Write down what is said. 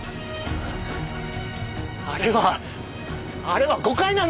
あれはあれは誤解なんだ。